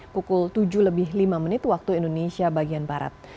pukul tujuh lebih lima menit waktu indonesia bagian barat